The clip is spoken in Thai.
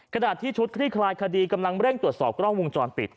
ขณะที่ชุดคลี่คลายคดีกำลังเร่งตรวจสอบกล้องวงจรปิด